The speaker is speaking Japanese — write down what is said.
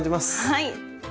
はい。